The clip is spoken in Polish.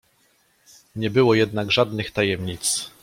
"Nie było jednak żadnych tajemnic."